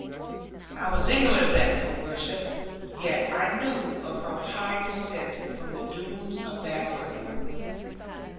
'I was ignorant of that, your worship; yet I knew of her high descent from the Doones of Bagworthy.'